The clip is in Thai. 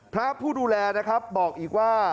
พระผู้ดูแลนะครับบอกอีกว่า